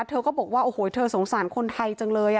เธอก็บอกว่าโอ้โหเธอสงสารคนไทยจังเลย